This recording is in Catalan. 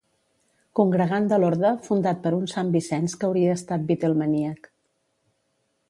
Congregant de l'orde fundat per un sant Vicenç que hauria estat beatlemaníac.